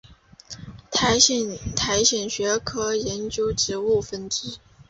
苔藓学科学研究的植物学分支。